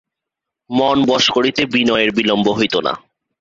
মন বশ করিতে বিনয়ের বিলম্ব হইত না।